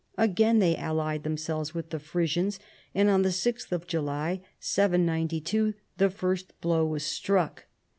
Again they allied them selves with the Frisians, and on the 6th of July, T92, the first blow was struck.